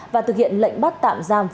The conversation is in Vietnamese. và thực hiện lệnh bắt tạm giam võ